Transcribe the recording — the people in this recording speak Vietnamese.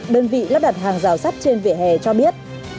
đơn vị lắp đặt hàng rào sắt trên vỉa hè cho biết